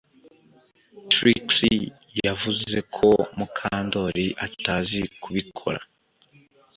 Trix yavuze ko Mukandoli atazi kubikora